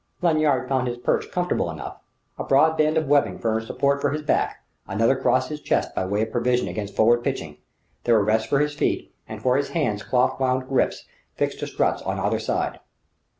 Lanyard found his perch comfortable enough. A broad band of webbing furnished support for his back; another crossed his chest by way of provision against forward pitching; there were rests for his feet, and for his hands cloth wound grips fixed to struts on either side.